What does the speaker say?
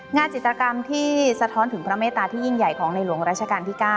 จิตกรรมที่สะท้อนถึงพระเมตตาที่ยิ่งใหญ่ของในหลวงราชการที่๙